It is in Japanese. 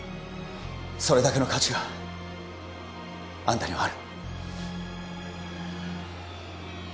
それだけの価値があんたにはある